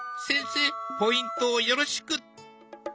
先生ポイントをよろしく！